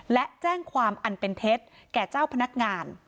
และแจ้งความอันเป็นเท็จแก่เจ้าพนักงาน